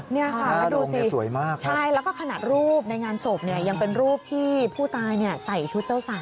นี่ค่ะแล้วดูสิสวยมากใช่แล้วก็ขนาดรูปในงานศพเนี่ยยังเป็นรูปที่ผู้ตายใส่ชุดเจ้าสาว